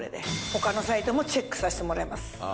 他のサイトもチェックさせてもらいます。